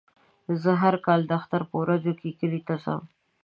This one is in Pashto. زه هر کال د اختر په ورځو کې کلي ته ځم.